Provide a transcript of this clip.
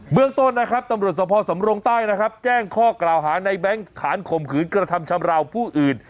เมืองต้นนะครับตำรวจสภสำรงใต้นะครับแจ้งข้อกล่าวหาในแบงค์ฐานข่มขืนกระทำชำราวผู้อื่น